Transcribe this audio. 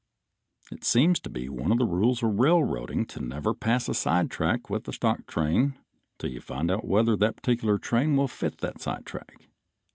It seems to be one of the rules of railroading to never pass a sidetrack with a stock train till they find out whether that particular train will fit that sidetrack.